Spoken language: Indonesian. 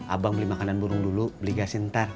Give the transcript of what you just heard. abang beli makanan burung dulu beli gasin ntar